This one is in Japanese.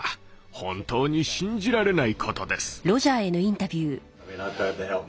本当に信じられないことです。